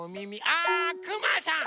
あくまさん！